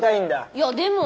いやでもォ。